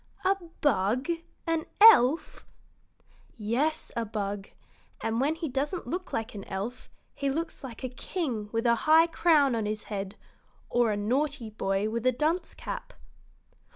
"A bug an elf?" "Yes, a bug; and when he doesn't look like an elf, he looks like a king with a high crown on his head or a naughty boy with a dunce cap."